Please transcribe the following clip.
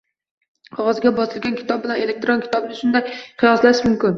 Qog‘ozda bosilgan kitob bilan elektron kitobni shunga qiyoslash mumkin.